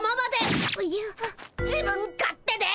自分勝手で。